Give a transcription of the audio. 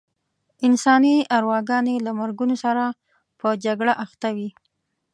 انساني ارواګانې له مرګونو سره په جګړه اخته وې.